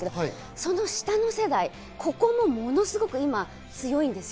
その下の世代、ここもものすごく今、強いんです。